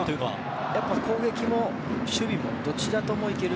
攻撃も守備もどちらもいける。